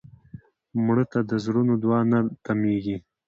مړه ته د زړونو دعا نه تمېږي